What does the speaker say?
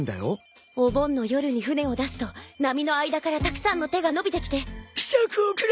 お盆の夜に船を出すと波の間からたくさんの手が伸びてきて「ひしゃくをくれ！